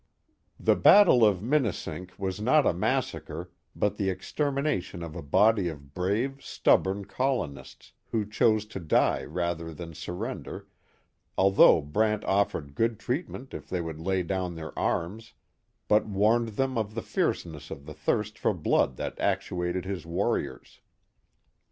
The battle of Minisink was not a massacre but the exter mination of a body of brave, stubborn colonists, who chose to die rather than surrender, although Brant offered good treat ment if they would lay down their arms, but warned them of the fierceness of the thirst for blood that actuated his warriors.